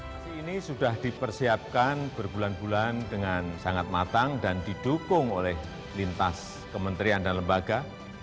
aksi ini sudah dipersiapkan berbulan bulan dengan sangat matang dan didukung oleh lintas kementerian dan lembaga